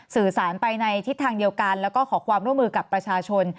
สื่อสารไปในทิศทางเดียวกันแล้วก็ขอความร่วมมือกับประชาชน